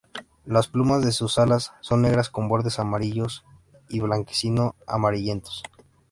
Las plumas de sus alas son negras con bordes amarillos y blanquecino amarillentos.